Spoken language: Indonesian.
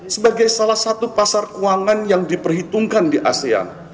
sebagai salah satu pasar keuangan yang diperhitungkan di asean